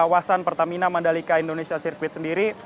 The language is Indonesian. kawasan pertamina mandalika indonesia circuit sendiri